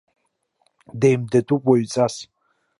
Деимдатәуп уаҩҵас!